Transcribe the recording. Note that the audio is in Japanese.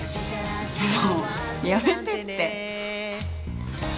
もうやめてって！